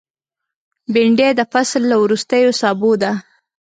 بېنډۍ د فصل له وروستیو سابو ده